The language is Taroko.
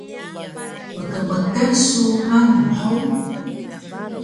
Mkmkan su manu hug?